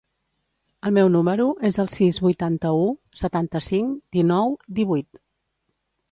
El meu número es el sis, vuitanta-u, setanta-cinc, dinou, divuit.